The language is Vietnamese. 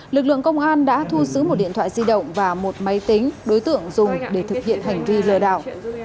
lực lượng công an đã thu giữ một điện thoại di động và một máy tính đối tượng dùng để thực hiện hành vi lừa đảo